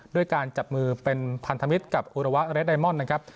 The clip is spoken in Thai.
ด้วยการจับมือเป็นพันธมิตรกับอุระวะเรดไอมอนด์นะครับ